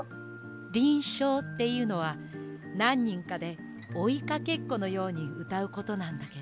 りんしょうっていうのはなんにんかでおいかけっこのようにうたうことなんだけど。